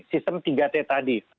sistem tiga t tadi